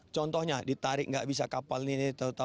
contohnya ditarik nggak bisa kapal ini nggak bisa karena kedalaman